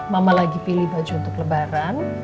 mama lagi pilih baju untuk lebaran